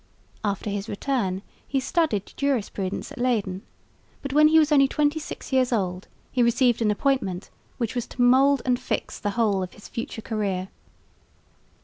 After his return he studied jurisprudence at Leyden, but when he was only twenty six years old he received an appointment which was to mould and fix the whole of his future career.